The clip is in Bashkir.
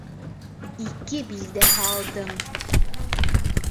«Ике» билдәһе алдың!»